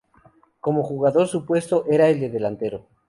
Como jugador su puesto era el de delantero.